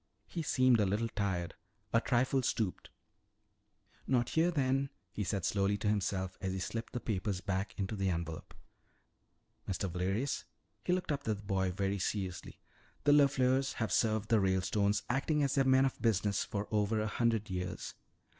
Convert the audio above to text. He seemed a little tired, a trifle stooped. "Not here then," he said slowly to himself as he slipped the papers back into the envelope. "Mr. Valerius," he looked up at the boy very seriously, "the LeFleurs have served the Ralestones, acting as their men of business, for over a hundred years.